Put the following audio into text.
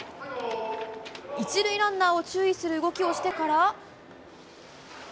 １塁ランナーを注意する動きをしてから。